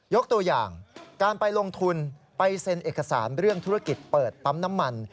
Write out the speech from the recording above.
ตัวอย่างการไปลงทุนไปเซ็นเอกสารเรื่องธุรกิจเปิดปั๊มน้ำมัน